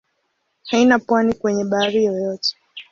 Haina pwani kwenye bahari yoyote.